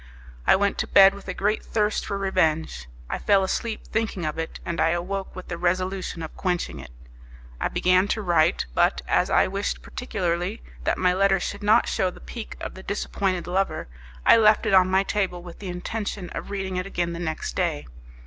I went to bed with a great thirst for revenge, I fell asleep thinking of it, and I awoke with the resolution of quenching it. I began to write, but, as I wished particularly that my letter should not show the pique of the disappointed lover, I left it on my table with the intention of reading it again the next day.